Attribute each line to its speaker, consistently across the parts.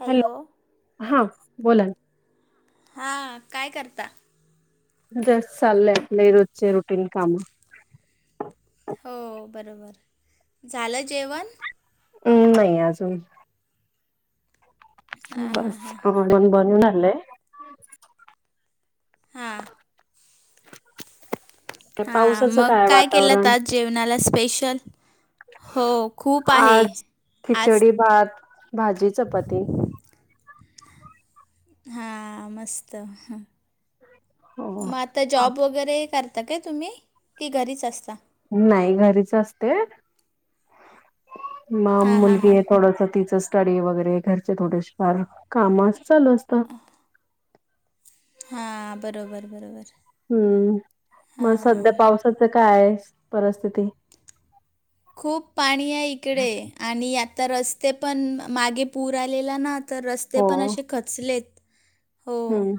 Speaker 1: Hello
Speaker 2: हा बोला
Speaker 1: हा काय करता?
Speaker 2: जस्ट चाललंय आपले रोजचे रुटीन काम.
Speaker 1: हो बरोबर. झालं जेवण?
Speaker 2: हम्म नाही अजून
Speaker 1: हां
Speaker 2: बस बनून आलंय
Speaker 1: हां
Speaker 2: ते
Speaker 1: हा
Speaker 2: पावसाचं
Speaker 1: मग काय केलात
Speaker 2: वातावरण
Speaker 1: आज जेवणाला स्पेशल. हो खूप आहे
Speaker 2: आज
Speaker 1: आज
Speaker 2: खिचडी भात भाजी चपाती.
Speaker 1: हा मस्त
Speaker 2: हो
Speaker 1: मग आता
Speaker 2: हा
Speaker 1: जॉब वगैरे करता काय तुम्ही की घरीच असता.
Speaker 2: नाही घरीच असते. मग
Speaker 1: हां हां
Speaker 2: मुलगी
Speaker 1: हां
Speaker 2: आहे थोडस तीचच स्टडी वगैरे घरचे थोडेसे फार काम चालू असत.
Speaker 1: हा बरोबर बरोबर
Speaker 2: हम्म मग सध्या पावसाचं काय आहे परिस्थिती?
Speaker 1: खूप पाणी आहे इकडे आणि आता रस्ते पण मागे पूर आलेला ना तर रस्ते पण असे खचलेत. हो
Speaker 2: हम्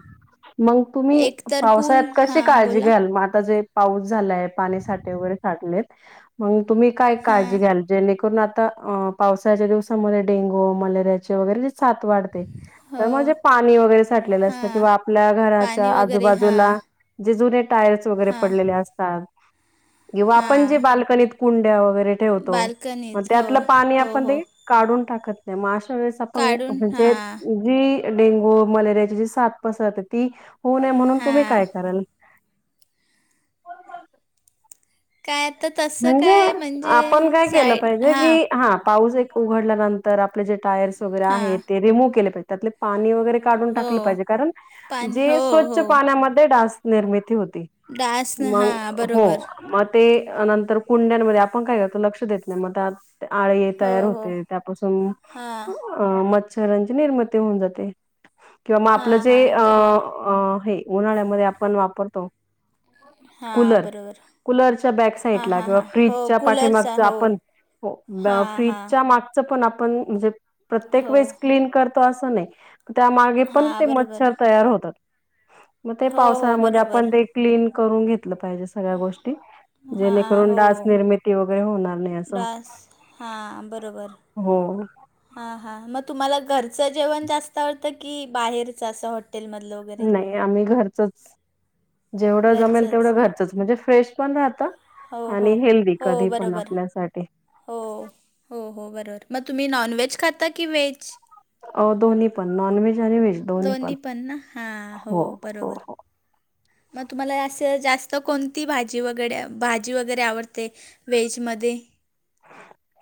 Speaker 2: मग तुम्ही
Speaker 1: एक तर पूल
Speaker 2: पावसाळ्यात कशी
Speaker 1: हां
Speaker 2: काळजी
Speaker 1: बोला
Speaker 2: घ्याल मग आता जे पाऊस झालाय पाणी साठे वगैरे साठलेत. मग तुम्ही काय काळजी
Speaker 1: हां
Speaker 2: घ्याल जेणे, करून आता पावसाच्या दिवसामध्ये डेंग्यू, मलेरिया चे वगैरे जे साथ वाढते.
Speaker 1: हो
Speaker 2: तर म्हणजे पाणी वगैरे साठलेलं असतं,
Speaker 1: हां
Speaker 2: किंवा आपल्या घराच्या
Speaker 1: पाणी वगैरे हां
Speaker 2: आजूबाजूला. जे जुने टायर्स वगैरे
Speaker 1: हां
Speaker 2: पडलेले असतात, किंवा आपण जे
Speaker 1: हां
Speaker 2: बाल्कनीत कुंड्या वगैरे ठेवतो. मग
Speaker 1: बाल्कनीत हो
Speaker 2: त्यातलं पाणी
Speaker 1: हो
Speaker 2: आपण
Speaker 1: हो
Speaker 2: काढून टाकत नाही मग अशा वेळेस,
Speaker 1: काढून
Speaker 2: म्हणजे,
Speaker 1: हां
Speaker 2: जी डेंग्यू मलेरियाची जी साथ पसरते, ती होऊ नये म्हणून तुम्ही
Speaker 1: हां
Speaker 2: काय कराल?
Speaker 1: काय आता त
Speaker 2: म्हणजे आपण काय केलं पाहिजे की, हां पाऊस एक उघडल्यानंतर आपले जे टायर्स वगैरे
Speaker 1: हां
Speaker 2: आहेत ते रिमू्व्ह केले पाहिजेत. त्यातले पाणी वगैरे काढून
Speaker 1: हो
Speaker 2: टाकलं पाहिजे, कारण
Speaker 1: पाणी हो
Speaker 2: जी स्वच्छ
Speaker 1: हो
Speaker 2: पाण्यामध्ये डास निर्मिती होती.
Speaker 1: डास न हां
Speaker 2: मगं हो,
Speaker 1: बरोबर
Speaker 2: म ते नंतर कुंड्यांनमध्ये आपण काय करतो लक्ष देत नाही. मग त्यात आळी
Speaker 1: हो
Speaker 2: तयार
Speaker 1: हो
Speaker 2: होते. त्यापासून
Speaker 1: हां
Speaker 2: अ- मच्छरांची निर्मिती होऊन जाते. किंवा मग
Speaker 1: हां
Speaker 2: आपलं जे
Speaker 1: हां हां बरोबर
Speaker 2: अं हे, उन्हाळ्यामध्ये आपण वापरतो.
Speaker 1: हां
Speaker 2: कूलर,
Speaker 1: बरोबर
Speaker 2: कूलरच्या बॅक सा
Speaker 1: हां
Speaker 2: साइडला
Speaker 1: हां
Speaker 2: गं
Speaker 1: हां
Speaker 2: फ्रिज
Speaker 1: हो
Speaker 2: च्या
Speaker 1: कूलरचा
Speaker 2: पाठीमागच
Speaker 1: हो
Speaker 2: आपण,
Speaker 1: हां
Speaker 2: फ्रिज
Speaker 1: हां
Speaker 2: च्या मागच पण आपण म्हणजे, प्रत्येक
Speaker 1: हो
Speaker 2: वेळेस क्लीन करतो अस नाही. त्यामागे पण
Speaker 1: हां
Speaker 2: ते
Speaker 1: बरोबर
Speaker 2: मच्छर तयार होतात. मग ते
Speaker 1: हो हो
Speaker 2: पावसाळ्यामध्ये
Speaker 1: बरोबर
Speaker 2: आपण ते क्लीन करून घेतलं पाहिजे सगळ्या गोष्टी. जेणे
Speaker 1: हां
Speaker 2: करून
Speaker 1: हो
Speaker 2: डास निर्मिती वगैरे होणार नाही. असं
Speaker 1: डास हां बरोबर.
Speaker 2: हो
Speaker 1: हां हां.. मग तुम्हाला घरचं जेवण जास्त आवडतं की, बाहेरच असं हॉटेलमधलं. वगैरे
Speaker 2: नाही आम्ही घरचचं, जेवढं जमेल
Speaker 1: घरचंच
Speaker 2: तेवढं
Speaker 1: म-
Speaker 2: घरचचं म्हणजे फ्रेश पण राहत.
Speaker 1: हो
Speaker 2: आणि
Speaker 1: हो
Speaker 2: हेल्दी
Speaker 1: हो
Speaker 2: कधी पण
Speaker 1: बरोबर
Speaker 2: आपल्यासाठी.
Speaker 1: हो.. हो... हो. ‌. बरोबर मग तुम्ही नॉन व्हेज खाता की व्हेज.
Speaker 2: अं.. दोन्ही पण नॉन व्हेज आणि व्हेज दोन्ही पण हो. हो
Speaker 1: बरोबर.
Speaker 2: हो
Speaker 1: मग तुम्हाला असं जास्त कोणती भाजी वगैरे, भाजी वगैरे आवडते. व्हेज मध्ये,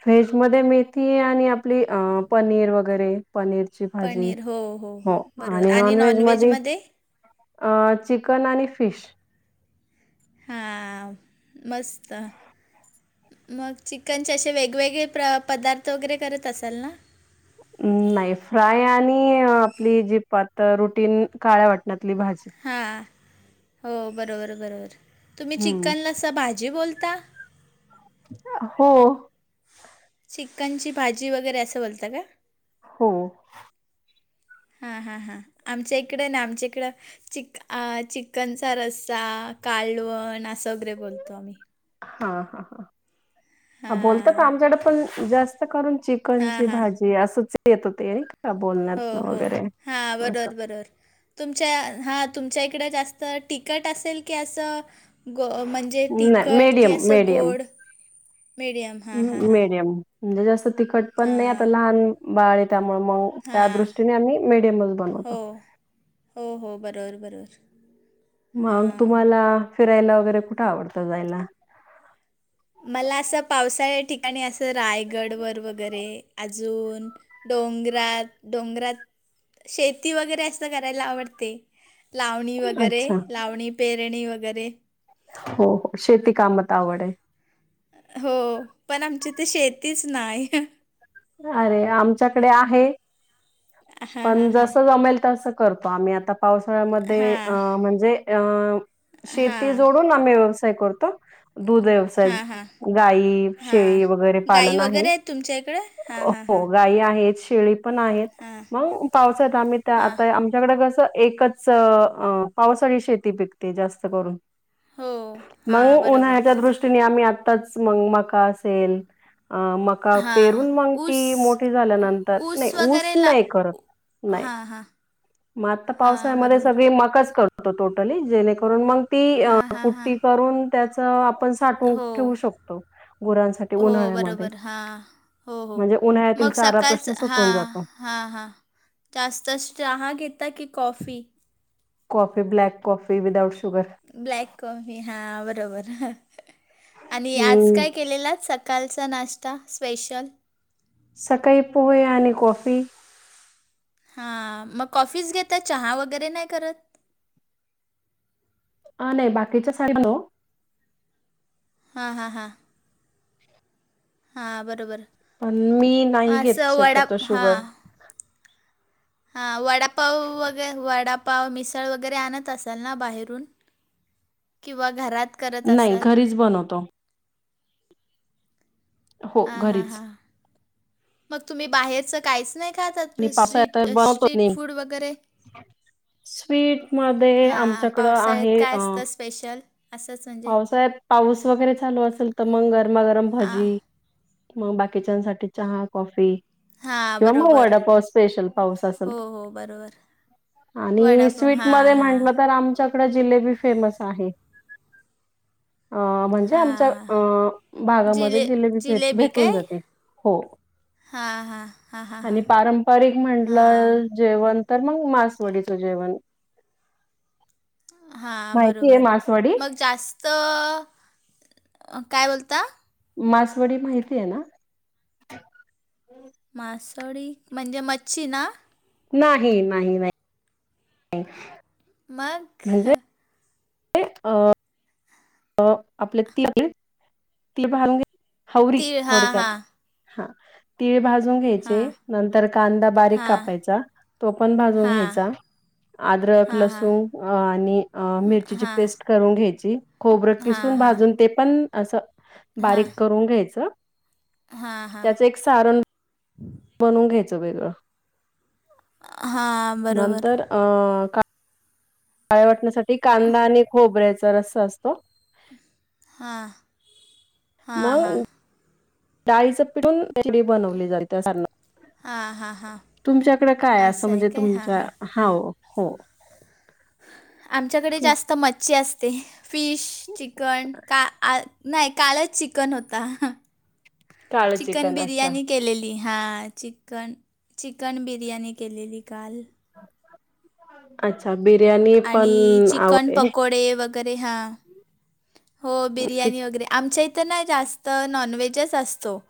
Speaker 2: व्हेज मध्ये मेथी आणि आपली अ- पनीर वगैरे. पनीरची भाजी हो, आणि नॉन व्हेज मदी. अ -चिकन आणि फिश.
Speaker 1: हां, मस्त. मग चिकनचे असे वेगवेगळे प्र- पदार्थ वगैरे करत असाल ना.
Speaker 2: म-नाही फ्राय आणि, आपली जी पात रुटीन काळ्या वाटण्यातली भाजी.
Speaker 1: हां, हो बरोबर बरोबर तुम्ही
Speaker 2: हम्म
Speaker 1: चिकनला असं भाजी बोलता‌.
Speaker 2: हो.
Speaker 1: चिकनची भाजी वगैरे, असं बोलतं का?
Speaker 2: हो.
Speaker 1: हा... हा.. हा.. आमच्या इकडं ना, आमच्या इकडं चिकन आ चिकनचा रस्सा कालवण असं वगैरे, बोलतो आम्ही.
Speaker 2: हां.. हां... हां.. हा बोलतात हां आमच्याकडं पण, जास्त करून
Speaker 1: हां
Speaker 2: चिकनची
Speaker 1: हां
Speaker 2: भाजी असंच हाय. येत होते अं
Speaker 1: हो
Speaker 2: बोलण्यात
Speaker 1: हो
Speaker 2: वगैरे
Speaker 1: हां
Speaker 2: असं.
Speaker 1: [unintelligible] तुमच्या हा तुमच्या इकडं जास्त तिकट असेल की असं, गो म्हणजे
Speaker 2: नाही
Speaker 1: तिखट की,
Speaker 2: मीडियम
Speaker 1: असं
Speaker 2: मीडियम
Speaker 1: गोड मिडियम. हां हां हां
Speaker 2: मीडियम म्हणजे, जास्त तिखट पण नाही आता
Speaker 1: हां
Speaker 2: लहान बाळ आहे त्यामुळे मग. त्या
Speaker 1: हां
Speaker 2: दृष्टीने आम्ही मीडियमच
Speaker 1: हो
Speaker 2: बनवतो.
Speaker 1: हो हो, बरोबर बरोबर
Speaker 2: मग
Speaker 1: हां
Speaker 2: तुम्हाला, फिरायला वगैरे कुठं आवडतं जायला?
Speaker 1: मला असं, पावसाळ्या ठिकाणी असं रायगड वर वगैरे अजून डोंगरात डोंगरात शेती वगैरे असं करायला आवडते. लावणी वगैरे
Speaker 2: अच्छा
Speaker 1: लावणी पेरणी वगैरे
Speaker 2: हो शेती कामात आवड आहे.
Speaker 1: हो, पण आमची त शेतीच नाही ही.
Speaker 2: अरे! आमच्याकडे आहे, पण जस जमेल तसं करतो आम्ही, आता पावसाळ्यामध्ये अ
Speaker 1: हां,
Speaker 2: म्हणजे अ शेती
Speaker 1: हां,
Speaker 2: जोडून आम्ही व्यवसाय करतो, दूध व्यवसाय
Speaker 1: हां, हां,
Speaker 2: गाई,
Speaker 1: हां.
Speaker 2: शेळी वगैरे
Speaker 1: गाई
Speaker 2: पालन आहे.
Speaker 1: वगैरे आहेत तुमच्या इकडे? हां, हां, हां,
Speaker 2: हो, गाई आहेत, शेळी पण आहेत
Speaker 1: हां,
Speaker 2: मग पावसात आम्ही त्या
Speaker 1: हां.
Speaker 2: आता आमच्याकडं कस एकच पावसाळी शेती पिकते जास्त करून.
Speaker 1: हो,
Speaker 2: मग
Speaker 1: हां, बरोबर.
Speaker 2: उन्हाळ्याच्या दृष्टी दृष्टीने आम्ही आताच म- मका असेल अ मका
Speaker 1: हां,
Speaker 2: पेरून मग
Speaker 1: ऊस
Speaker 2: ती मोठी झाल्या नंतर, नाही ऊस
Speaker 1: वगैरे ला
Speaker 2: नाही करत
Speaker 1: उ-
Speaker 2: नाही.
Speaker 1: हां, हां,
Speaker 2: म आता पावसाळ्या
Speaker 1: हां,
Speaker 2: मध्ये
Speaker 1: बरोबर.
Speaker 2: सगळी मकंच करू टोटली जेणेकरून मग ती
Speaker 1: हां, हां, हां.
Speaker 2: कुट्टी करून त्याच आपण साठवून
Speaker 1: हो,
Speaker 2: ठेवू शकतो, गुरांसाठी उन्हाळ्या मध्ये.
Speaker 1: हा हो हो मग
Speaker 2: चारा प्रश्न
Speaker 1: सकाळचं हा
Speaker 2: सुटून जातो
Speaker 1: हा हा जास्त अस चहा घेता की coffee
Speaker 2: coffee black coffee without sugar.
Speaker 1: Black coffee हा बरोबर आणि आज
Speaker 2: हम्म
Speaker 1: काय केलेलं स? कालचा नाश्ता स्पेशल?
Speaker 2: सकाळी पोहे आणि कॉफी.
Speaker 1: हा, मग कॉफी च घेत चहा वगैरे नाही करत?
Speaker 2: अ नाही बाकीच्या साई हॅलो!
Speaker 1: हा हा हा. हा, बरोबर.
Speaker 2: पण मी
Speaker 1: मग
Speaker 2: नाही, घेत
Speaker 1: असं वडा
Speaker 2: शक्यतो शुगर
Speaker 1: हा, वडापाव वगैर वडा पाव मिसळ वगैरे आणत असाल, ना बाहेरून किंवा घरात? करत
Speaker 2: नाही
Speaker 1: असाल?
Speaker 2: घरीच बनवतो. हो
Speaker 1: हा हा
Speaker 2: घरीच
Speaker 1: हा मग तुम्ही, बाहेरच काहीच नाही? खातात
Speaker 2: आणि पावसाळ्यात तर बनवतो
Speaker 1: स्ट्रीट-स्ट्रीट
Speaker 2: नाही
Speaker 1: फूड वगैरे?
Speaker 2: स्वीट मध्ये
Speaker 1: हां,
Speaker 2: आमच्याकडं
Speaker 1: पावसाळ्यात
Speaker 2: आहे अ
Speaker 1: काय असतं स्पेशल असंच? म्हणजे
Speaker 2: पावसाळ्या पाऊस वगैरे चालू असेल, तर मग गरमागरम
Speaker 1: हां.
Speaker 2: भजी मग बाकीच्यांसाठी चहा कॉफी.
Speaker 1: हां,
Speaker 2: किंवा मग
Speaker 1: बरोबर.
Speaker 2: वडापाव स्पेशल पाऊस असेल
Speaker 1: हो,
Speaker 2: तर.
Speaker 1: हो, बरोबर.
Speaker 2: आणि
Speaker 1: वडापाव
Speaker 2: स्वीट मध्ये
Speaker 1: हां, हां,
Speaker 2: म्हटलं, तर आमच्याकडे जिलेबी फेमस आहे. अ म्हणजे आमच्या
Speaker 1: हां.
Speaker 2: अ भागामध्ये
Speaker 1: जिले
Speaker 2: जिलेबीे भेटून जाते, हो.
Speaker 1: हा हा हा हा.
Speaker 2: आणि पारंपरिक म्हटलं जेवण तर मग मासवडीचं जेवण.
Speaker 1: हा,
Speaker 2: माहितीय
Speaker 1: बरोबर
Speaker 2: मासवडी
Speaker 1: मग जास्त काय बोलता?
Speaker 2: मासवडी माहिती, आहे ना?
Speaker 1: मासोळी म्हणजे मच्छी ना.
Speaker 2: नाही नाही नाही. नाय.
Speaker 1: मग
Speaker 2: म्हणजे अ अ आपले ती तिले भान हवररी
Speaker 1: तीळ हां,
Speaker 2: थोडक्यात.
Speaker 1: हां,
Speaker 2: हा तीळ भाजून घ्यायचे नंतर कांदा बारीक
Speaker 1: हां,
Speaker 2: कापायचा तो पण भाजून
Speaker 1: हां,
Speaker 2: घ्यायचा अद्रक
Speaker 1: हां, हां,
Speaker 2: लसूण आणि अ मिरचीची
Speaker 1: हां,
Speaker 2: पेस्ट करून घ्यायची, खोबरं
Speaker 1: हां, हां,
Speaker 2: किसून
Speaker 1: हां,
Speaker 2: भाजून ते पण असं बारीक करून घ्यायचं,
Speaker 1: हा हा
Speaker 2: सारण बनून घ्यायचं वेगळं.
Speaker 1: हा
Speaker 2: नंतर अ का पाळे वाटण्यासाठी कांदा आणि खोबऱ्याचा रस्सा असतो
Speaker 1: हां हां, हां,
Speaker 2: मग डाळीचं पिटून डी बनवलीत त्या सा
Speaker 1: हां, हां, हां.
Speaker 2: तुमच्याकडे काय असं
Speaker 1: आहे
Speaker 2: म्हणजे
Speaker 1: काय हां
Speaker 2: तुमच्या
Speaker 1: हां
Speaker 2: हा हो
Speaker 1: आमच्याकडे जास्त मच्छी असते फिश चिकन का आ नाही कालच चिकन होता
Speaker 2: काळं
Speaker 1: चिकन
Speaker 2: अच्छा
Speaker 1: बिर्याणी केलेली हा चिकन चिकन बिर्याणी केलेली काल
Speaker 2: अच्छा बिरयाणी
Speaker 1: आणि चिकन पकोडे वगैरे हां हो
Speaker 2: चिक
Speaker 1: बिर्याणी वगैरे आमच्या इथं ना जास्त नॉनव्हेजच असतो.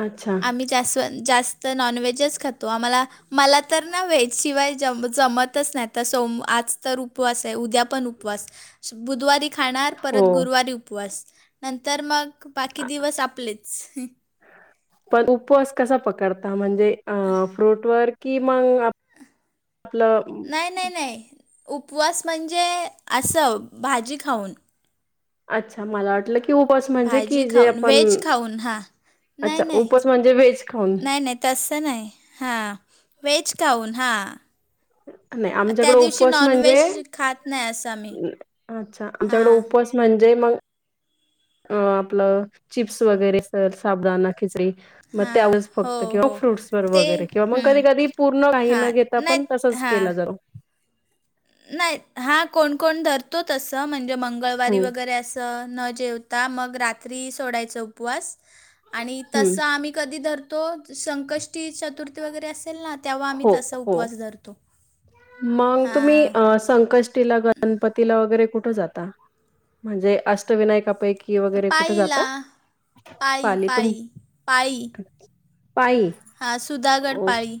Speaker 2: अच्छा
Speaker 1: आम्ही जा जास्त नॉनव्हेजच खातो आम्हाला मला तर ना व्हेज शिवाय ज जमतच नाही तर सोम आज तर उपवास आहे उद्या पण उपवास श बुधवारी खाणार
Speaker 2: हो.
Speaker 1: परत गुरुवारी उपवास नंतर मग बाकी दिवस आपलेच. ह
Speaker 2: पण उपवास कसा पकडता म्हणजे अ फ्रूट वर कि मग आप आपलं
Speaker 1: नाही नाही नाही उपवास म्हणजे असं भाजी खाऊन
Speaker 2: अच्छा मला वाटलं की कि उपस म्हणजे
Speaker 1: भाजी
Speaker 2: कि जे
Speaker 1: खाऊन
Speaker 2: आपण
Speaker 1: व्हेज खाऊन हां नाही
Speaker 2: अच्छा
Speaker 1: नाही
Speaker 2: उपास म्हणजे वेहेज खाऊन.
Speaker 1: नाही नाही तसं नाही हां वेज खाऊन हां.
Speaker 2: नाही
Speaker 1: त्या
Speaker 2: आमच्याकड
Speaker 1: दिवशी
Speaker 2: उपवास म्हणजे
Speaker 1: नॉनव्हेज खात नाही असं आम्ही
Speaker 2: न अच्छा आमच्याकड
Speaker 1: हां
Speaker 2: उपास म्हणजे मग अ आपलं चिप्स वगैरे सर साबुदाना खिचरी मग
Speaker 1: हां
Speaker 2: त्यावच
Speaker 1: हो
Speaker 2: फक्त किंवा
Speaker 1: हो
Speaker 2: फ्रूट्स वर
Speaker 1: ते
Speaker 2: वगैरे किंवा मग
Speaker 1: हं,
Speaker 2: कधी कधी पूर्ण काही न
Speaker 1: हां
Speaker 2: घेता पण
Speaker 1: नाही
Speaker 2: तसच
Speaker 1: हां
Speaker 2: केला जाऊ
Speaker 1: नाही हा कोण कोण धरतो तस म्हणजे मंगळवारी
Speaker 2: हम्म
Speaker 1: वगैरे अस त न जेवता मग रात्री सोडायचा उपवास आणि
Speaker 2: हम्म.
Speaker 1: तसं आम्ही कधी धरतो संकष्टी चतुर्थी वगैरे असेल ना तेव्हा आम्ही
Speaker 2: हो
Speaker 1: तसा
Speaker 2: हो
Speaker 1: उपवास धरतो
Speaker 2: मग तुम्ही
Speaker 1: हां.
Speaker 2: अ संकष्टीला गणपतीला वगैरे कुठे जाता म्हणजे अष्टविनायकापैकी की वगैरे कुठे
Speaker 1: पाळीला
Speaker 2: जातात
Speaker 1: पाळी
Speaker 2: पाली तुम
Speaker 1: पाळी पाळी
Speaker 2: पायी
Speaker 1: हां सुधागड
Speaker 2: ओ
Speaker 1: पाळी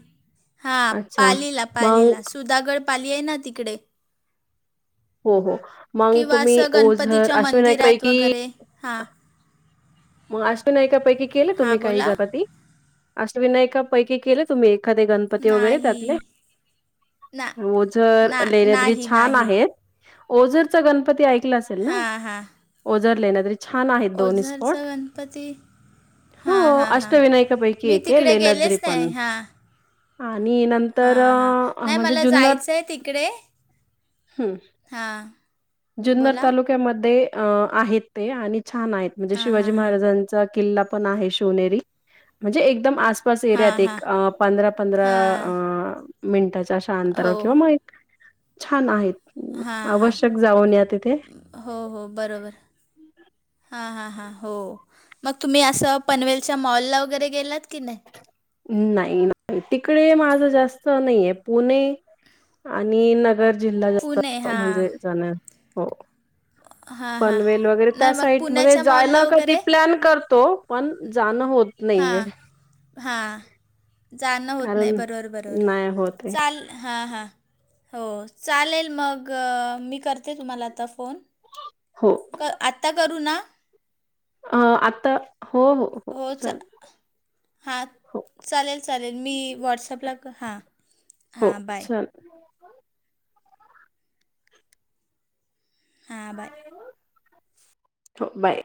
Speaker 1: हां
Speaker 2: अच्छा
Speaker 1: पालीला पालीला
Speaker 2: मग
Speaker 1: सुधा दागड पाली आहे ना तिकडे
Speaker 2: हो हो मग
Speaker 1: किंवा
Speaker 2: तुम्ही
Speaker 1: असं
Speaker 2: ओझर अश्विना पैकी
Speaker 1: हा
Speaker 2: म अष्टविनायकापैकी केलं
Speaker 1: हां
Speaker 2: तुम्ही काही
Speaker 1: बोला
Speaker 2: गराती अष्टविनायका पैकी केल तुम्ही एखादे गणं पती वगैरे
Speaker 1: नाही
Speaker 2: त्यातले
Speaker 1: ना
Speaker 2: ओझर,
Speaker 1: ना
Speaker 2: लेण्याद्री
Speaker 1: नाही
Speaker 2: छान
Speaker 1: नाही
Speaker 2: आहेत ओझरचा गणपती ऐकला असेल ना
Speaker 1: हां हां
Speaker 2: ओझर लेण्याद्री छान आहेत दोन्ही सो
Speaker 1: ओझरचा गणपती
Speaker 2: हो
Speaker 1: हां हां हां
Speaker 2: अष्टविनायकापैकी
Speaker 1: मी
Speaker 2: एक ये
Speaker 1: तिकडे
Speaker 2: लेण्याद्री
Speaker 1: गेलेच
Speaker 2: पण
Speaker 1: नाही हां
Speaker 2: आणि नंतर
Speaker 1: हां हां
Speaker 2: अ
Speaker 1: नाही
Speaker 2: म्हणजे
Speaker 1: मला
Speaker 2: जुनत
Speaker 1: जायचं आहे तिकडे
Speaker 2: हम्म
Speaker 1: हां
Speaker 2: जुन्नत
Speaker 1: बोला
Speaker 2: तालुक्या ते मध्ये अ आहेत ते आणि छान आहेत म्हणजे
Speaker 1: हां
Speaker 2: शिवाजी
Speaker 1: हां हां
Speaker 2: महाराजांना च किल्ला पण आहे शिवनेरी म्हणजे एकदम आस असं
Speaker 1: हां
Speaker 2: एऱ्यात एक
Speaker 1: हां
Speaker 2: पंधरा पंधरा
Speaker 1: हां
Speaker 2: अ मिनटाच्या अशा अंतरा
Speaker 1: हो
Speaker 2: किंवा मय छान
Speaker 1: हां
Speaker 2: आहेत
Speaker 1: हां
Speaker 2: आवश्यक जाऊन या तिथे
Speaker 1: हो हो बरोबर हां हां हां हो मग तुम्ही असं पनवेलच्या मॉलला वगैरे गेलात की नाय.
Speaker 2: म नाही नाही तिकडे माझं जास्त नाहीये पुणे आणि नगर जिल्हा जास्त
Speaker 1: पुणे हां
Speaker 2: म्हणजे जाण हो
Speaker 1: हां हां
Speaker 2: पनवेल वगैरे त्या
Speaker 1: नाही मग
Speaker 2: साईट मधे
Speaker 1: पुण्याच्या मॉलला
Speaker 2: जायला कधी
Speaker 1: वगैरे
Speaker 2: प्लॅन करतो पण जाणं होत
Speaker 1: हां
Speaker 2: नाहीये
Speaker 1: हां जाणं होत नाय
Speaker 2: कारण
Speaker 1: बरोबर बरोबर
Speaker 2: नाही होत आहे
Speaker 1: चाल हां हां हो चालेल मग अ मी करते तुम्हाला आता फोन
Speaker 2: हो.
Speaker 1: अ आत्ता करू ना
Speaker 2: अ आता हो हो हो चाल
Speaker 1: हां चालेल चालेल मी वॉट्सअपला क हां
Speaker 2: हो
Speaker 1: हां बाय
Speaker 2: चालेल
Speaker 1: हां बाय.
Speaker 2: हो बाय.